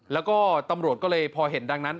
แล้วก็ตำรวจก็เลยพอเห็นดังนั้น